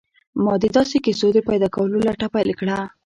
ما د داسې کیسو د پیدا کولو لټه پیل کړه